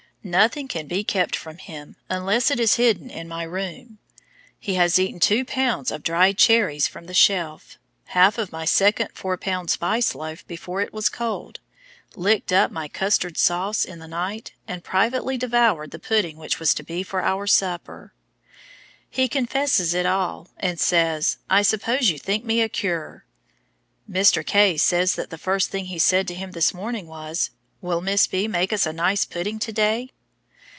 Nothing can be kept from him unless it is hidden in my room. He has eaten two pounds of dried cherries from the shelf, half of my second four pound spice loaf before it was cold, licked up my custard sauce in the night, and privately devoured the pudding which was to be for supper. He confesses to it all, and says, "I suppose you think me a cure." Mr. K. says that the first thing he said to him this morning was, "Will Miss B. make us a nice pudding to day?"